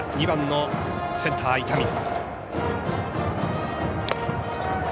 ２番のセンター、伊丹。